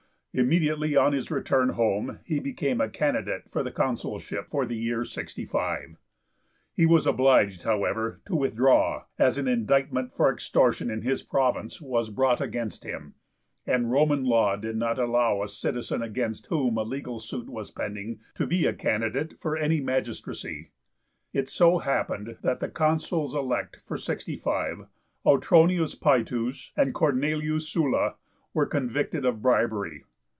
Immediately on his return home he became a candidate for the Consulship for the year 65. He was obliged, however, to withdraw, as an indictment for extortion in his province was brought against him, and Roman law did not allow a citizen against whom a legal suit was pending to be a candidate for any magistracy. It so happened that the Consuls elect for 65, P. Autronius Paetus and P. Cornelius Sulla, were convicted of bribery.